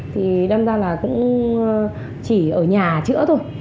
thì đem ra là cũng chỉ ở nhà chữa thôi